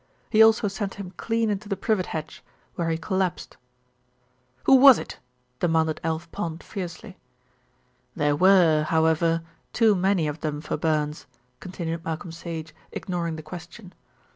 He also sent him clean into the privet hedge, where he collapsed." "Who was it?" demanded Alf Pond fiercely. "There were, however, too many of them for Burns," continued Malcolm Sage, ignoring the question.